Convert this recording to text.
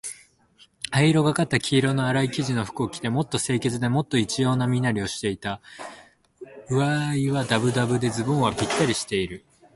灰色がかった黄色のあらい生地の服を着て、もっと清潔で、もっと一様な身なりをしていた。上衣はだぶだぶで、ズボンはぴったりしている。